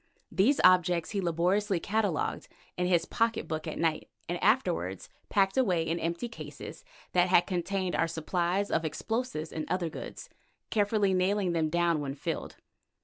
These objects he laboriously catalogued in his pocket book at night, and afterwards packed away in empty cases that had contained our supplies of explosive and other goods, carefully nailing them down when filled.